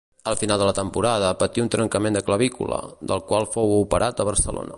A final de temporada patí un trencament de clavícula, del qual fou operat a Barcelona.